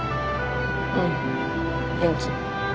うん元気。